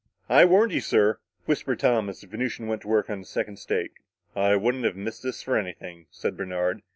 "I warned you, sir," whispered Tom, as the Venusian went to work on his second steak. "I wouldn't have missed this for anything," said Bernard.